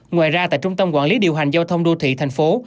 ngoài ra tại trung tâm quản lý điều hành giao thông đô thị thành phố